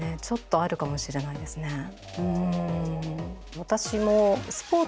ちょっとあるかもしれないですね。